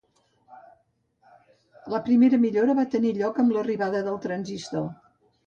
La primera millora va tenir lloc amb l'arribada del transistor.